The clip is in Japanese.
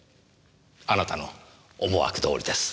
あなたの思惑どおりです。